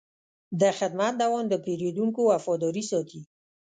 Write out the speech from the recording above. د خدمت دوام د پیرودونکو وفاداري ساتي.